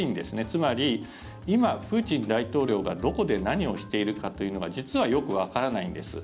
つまり、今、プーチン大統領がどこで何をしているかというのが実はよくわからないんです。